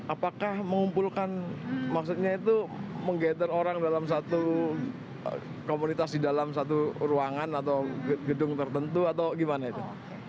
apakah mengumpulkan maksudnya itu menggatter orang dalam satu komunitas di dalam satu ruangan atau gedung tertentu atau gimana itu